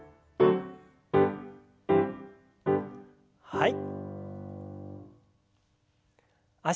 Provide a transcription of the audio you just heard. はい。